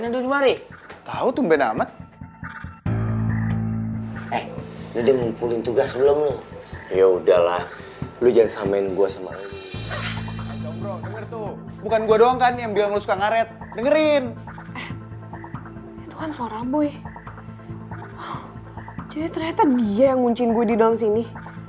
jadi ternyata dia yang ngunciin gue di dalam sini